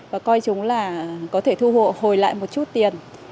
và coi chúng là có thể thu hồi lại một chút tiền